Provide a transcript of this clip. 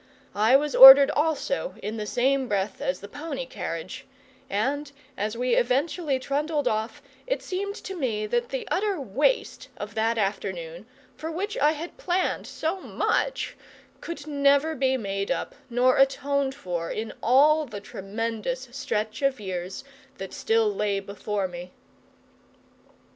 I was ordered also, in the same breath as the pony carriage; and, as we eventually trundled off, it seemed to me that the utter waste of that afternoon, for which I had planned so much, could never be made up nor atoned for in all the tremendous stretch of years that still lay before me.